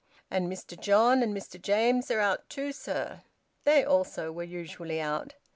"And Mr John and Mr James are out too, sir." They also were usually out.